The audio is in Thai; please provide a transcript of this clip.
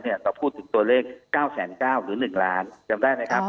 เราพูดถึงตัวเลข๙๙๐๐หรือ๑ล้านจำได้ไหมครับ